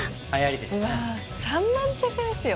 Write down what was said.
うわ３万着ですよ